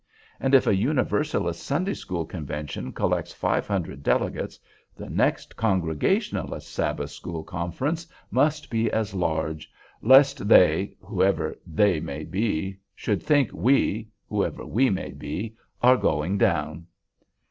And if a Universalist Sunday School Convention collects five hundred delegates, the next Congregationalist Sabbath School Conference must be as large, "lest 'they'—whoever they may be—should think 'we'—whoever we may be—are going down."